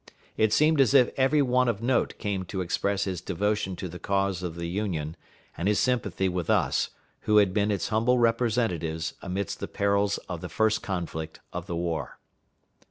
It seemed as if every one of note called to express his devotion to the cause of the Union, and his sympathy with us, who had been its humble representatives amidst the perils of the first conflict of the war.